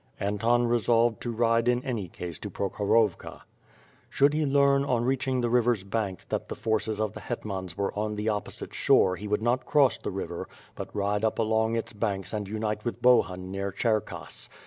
Anton resolved to ride in any case to Prokhorovka. Should he learn, on reaching the river's bank, that the forces of the hetmans were on the opposite shore he would not cross the river, but ride up along its banks and unite with Bohun near Cherkass.